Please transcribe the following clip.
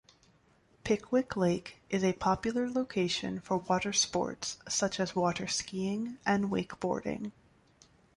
Pickwick Lake is a popular location for water sports such as waterskiing and wakeboarding.